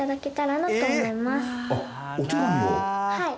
はい。